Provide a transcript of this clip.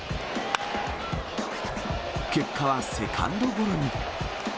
結果はセカンドゴロに。